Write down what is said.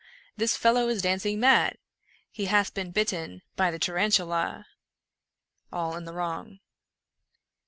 this fellow is dancing mad! He hath been bitten by the Tarantula. — All in the Wrong.